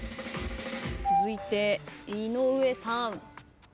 続いて井上さん。